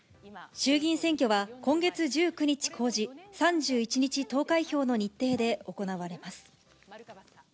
衆議院選挙は、今月１９日公示、３１日投開票の日程で行われます。